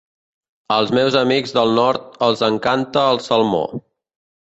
Als meus amics del Nord els encanta el salmó.